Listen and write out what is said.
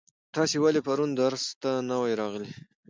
تاسو ولې پرون درس ته نه وای راغلي؟